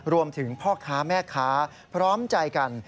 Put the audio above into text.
รวมถึงพ่อค้าแม่ค้าพร้อมใจกัน